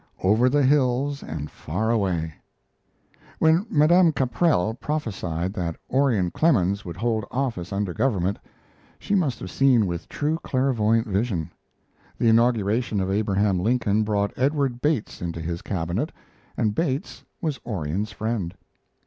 OVER THE HILLS AND FAR AWAY When Madame Caprell prophesied that Orion Clemens would hold office under government, she must have seen with true clairvoyant vision. The inauguration of Abraham Lincoln brought Edward Bates into his Cabinet, and Bates was Orion's friend.